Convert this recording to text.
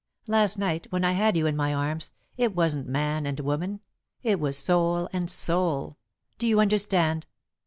Last night, when I had you in my arms, it wasn't man and woman it was soul and soul. Do you understand?"